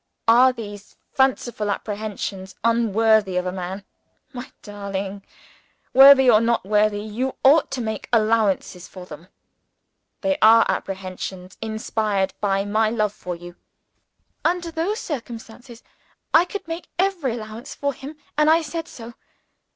Are these fanciful apprehensions, unworthy of a man? My darling! worthy or not worthy, you ought to make allowances for them. They are apprehensions inspired by my love for You!" Under those circumstances, I could make every allowance for him and I said so.